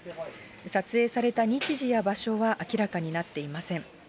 撮影された日時や場所は明らかになっていません。